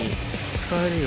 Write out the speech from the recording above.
使えるよ。